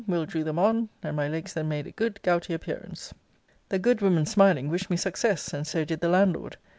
Will. drew them on; and my legs then made a good gouty appearance. The good woman smiling, wished me success; and so did the landlord.